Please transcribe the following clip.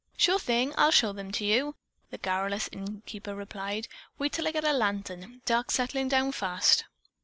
"Sure thing. I'll show them to you," the garrulous innkeeper replied. "Wait till I get a lantern. Dark's settling down fast."